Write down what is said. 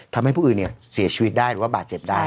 ทำให้ผู้อื่นเสียชีวิตได้หรือว่าบาดเจ็บได้